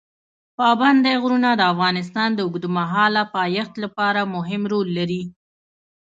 پابندی غرونه د افغانستان د اوږدمهاله پایښت لپاره مهم رول لري.